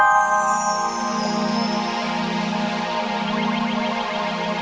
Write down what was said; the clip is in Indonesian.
dan semoga berjaya